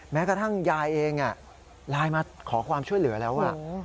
แม้กระทั่งยายเองไลน์มาขอความช่วยเหลือแล้ว